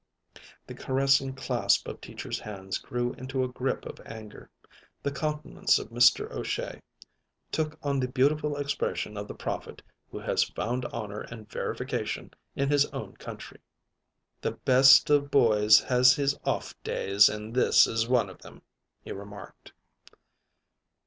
The caressing clasp of Teacher's hands grew into a grip of anger. The countenance of Mr. O'Shea took on the beautiful expression of the prophet who has found honor and verification in his own country. "The best of boys has his off days and this is one of them," he remarked.